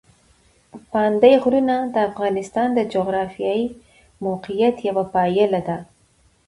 پابندي غرونه د افغانستان د جغرافیایي موقیعت یوه پایله ده.